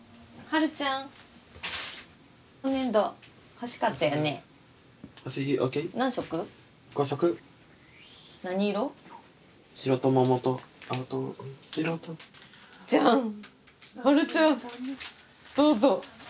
悠ちゃんどうぞ。